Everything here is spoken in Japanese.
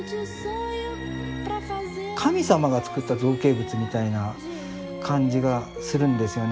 神様が作った造形物みたいな感じがするんですよね